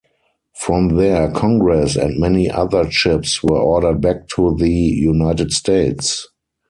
From there, "Congress" and many other ships were ordered back to the United States.